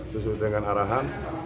sesuai dengan arahan